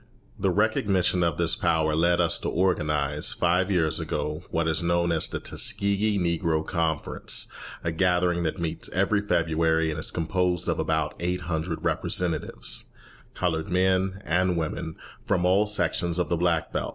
The recognition of this power led us to organise, five years ago, what is known as the Tuskegee Negro Conference, a gathering that meets every February, and is composed of about eight hundred representatives, coloured men and women, from all sections of the Black Belt.